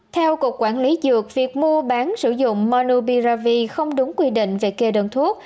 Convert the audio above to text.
theo cục quản lý dược việc mua bán sử dụng monobiravi không đúng quy định về kê đơn thuốc